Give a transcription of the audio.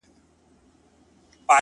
دا غرونه غرونه پـه واوښـتـل!